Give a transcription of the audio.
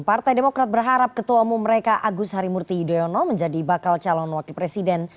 partai demokrat berharap ketua umum mereka agus harimurti yudhoyono menjadi bakal calon wakil presiden